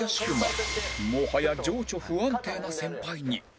もはや情緒不安定な先輩に